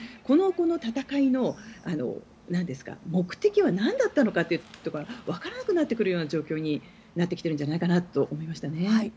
この戦いの目的はなんだったのかがわからなくなってくるような状況になってきているんじゃないかなと思いましたね。